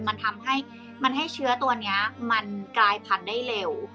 มันทำให้เชื้อตัวนี้มันกลายผันได้เร็ว